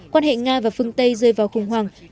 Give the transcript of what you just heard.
quan hệ nga và phương tây rơi vào khủng hoảng